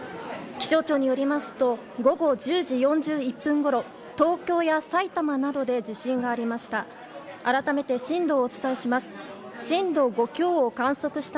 気象庁によりますと午後１０時４１分ごろ東京や埼玉などで地震がありました。